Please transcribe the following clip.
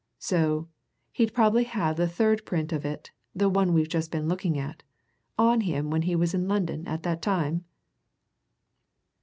So, he'd probably have the third print of it the one we've just been looking at on him when he was in London at that time?"